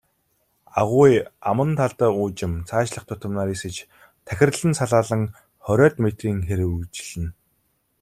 Агуй аман талдаа уужим, цаашлах тутам нарийсаж тахирлан салаалан, хориод метрийн хэр үргэлжилнэ.